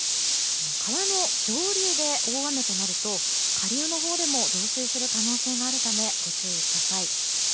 川の上流で大雨となると下流のほうでも増水する可能性があるためご注意ください。